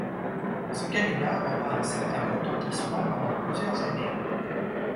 Ce canular aura un certain retentissement pendant plusieurs années.